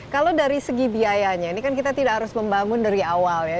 kalau dari segi biayanya ini kan kita tidak harus membangun dari awal ya